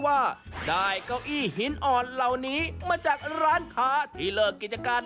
กล้าอะไรว่าได้ก้าวอี้เห็นอ่อนเหล่านี้มาจากร้านขา